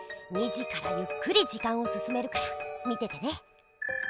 ２じからゆっくりじかんをすすめるから見ててね。